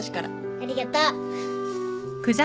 ありがとう。